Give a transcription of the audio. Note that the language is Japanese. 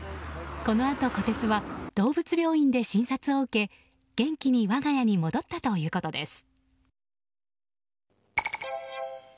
このあと、こてつは動物病院で診察を受け元気に我が家に戻ったということです。